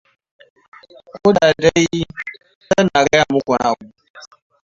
Ko da dai, zan na gaya muku wani abu.